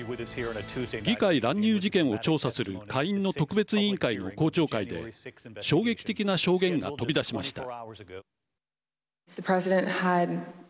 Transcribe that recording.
議会乱入事件を調査する下院の特別委員会の公聴会で衝撃的な証言が飛び出しました。